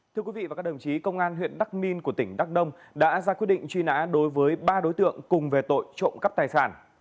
thưa quý vị và các đồng chí công an huyện đắc minh của tỉnh đắk đông đã ra quyết định truy nã đối với ba đối tượng cùng về tội trộm cắp tài sản